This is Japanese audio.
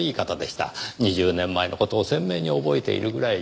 ２０年前の事を鮮明に覚えているぐらいに。